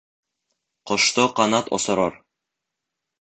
Ҡошто ҡанат осорор.